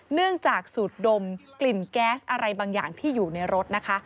เนื่องจากสูดดมกลิ่นแก๊สอะไรบางอย่างที่อยู่ในรถนะคะ